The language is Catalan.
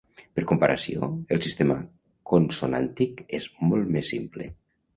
Per comparació, el sistema consonàntic és molt més simple.